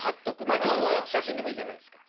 今日の写真でもいいじゃないですか。